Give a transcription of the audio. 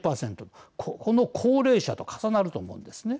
この高齢者と重なると思うんですね。